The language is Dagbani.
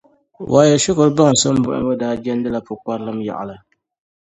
Wayo shikuru baŋsim bɔhimbu daa jɛndila pukparilim yaɣili.